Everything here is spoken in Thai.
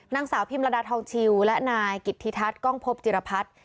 นางสาวพิมระดาทองชิวและนายกิจธิทัศน์กล้องพบจิรพัฒน์